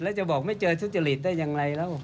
แล้วจะบอกไม่เจอทุจริตได้อย่างไรแล้ว